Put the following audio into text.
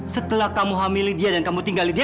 setelah kamu hamilin dia dan kamu tinggalin dia